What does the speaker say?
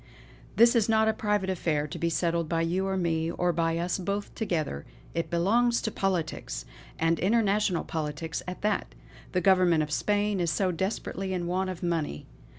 This is no private affair to be settled by you or me, or by us both together. It belongs to politics! and international politics at that. The Government of Spain is desperately in want of money.